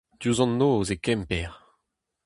Diouzh an noz e Kemper.